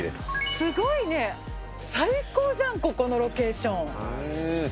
すごいね、最高じゃん、ここのロケーション。